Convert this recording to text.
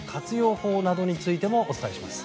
法などについてもお伝えします。